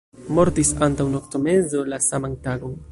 Mortis antaŭ noktomezo la saman tagon.